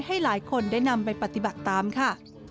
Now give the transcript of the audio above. ให้หลายคนได้นำไปปฏิบัติตามค่ะ